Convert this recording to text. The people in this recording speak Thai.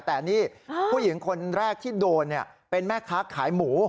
แต่นี่ผู้หญิงคนแรกที่โดนเป็นแม่ค้าขายหมู